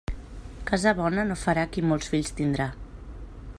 Casa bona no farà qui molts fills tindrà.